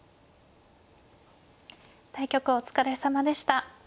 対局お疲れさまでした。